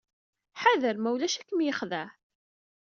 Ḥader ma ulac ad kem-yexdeɛ.